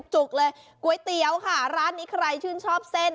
จุกเลยก๋วยเตี๋ยวค่ะร้านนี้ใครชื่นชอบเส้น